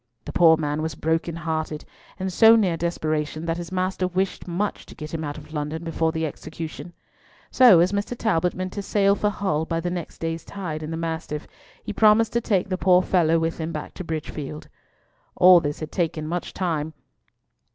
The poor man was broken hearted, and so near desperation that his master wished much to get him out of London before the execution. So, as Mr. Talbot meant to sail for Hull by the next day's tide in the Mastiff, he promised to take the poor fellow with him back to Bridgefield. All this had taken much time.